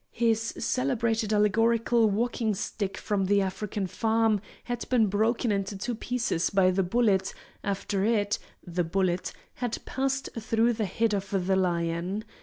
His celebrated allegorical walking stick from the African Farm had been broken into two pieces by the bullet after it (the bullet) had passed through the head of the lion.